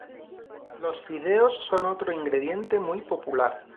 Los fideos son otro ingrediente muy popular.